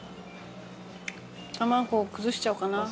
卵崩しちゃおうかな。